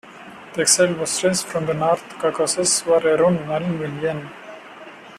The exiled Muslims from the North Caucasus were around one million.